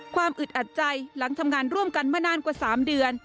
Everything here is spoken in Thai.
อึดอัดใจหลังทำงานร่วมกันมานานกว่า๓เดือน